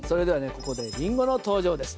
ここでリンゴの登場です。